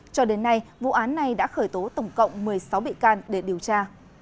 cho đến nay vụ án này đã khởi tố tổng cộng một mươi sáu bị can để điều tra